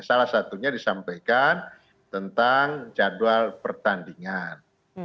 salah satunya disampaikan tentang jadwal pertandingan